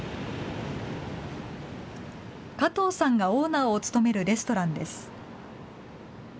加藤さんがオーナーを務めるレストランです。